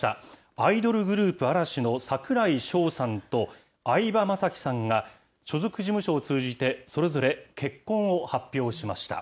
アイドルグループ、あらしの櫻井翔さんと、相葉雅紀さんが、所属事務所を通じて、それぞれ、結婚を発表しました。